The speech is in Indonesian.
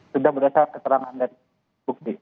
sudah berdasarkan keterangan dan bukti